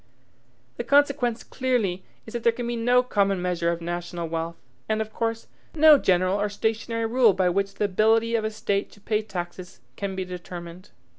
The consequence clearly is that there can be no common measure of national wealth, and, of course, no general or stationary rule by which the ability of a state to pay taxes can be determined.